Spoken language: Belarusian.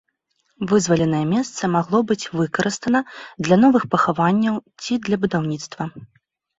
Вызваленае месца магло быць выкарыстана для новых пахаванняў ці для будаўніцтва.